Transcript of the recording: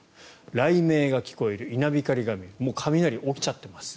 雷鳴が聞こえる稲光が見える雷、起きちゃってます。